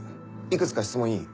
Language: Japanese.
いくつか質問いい？